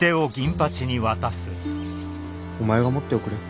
お前が持っておくれ。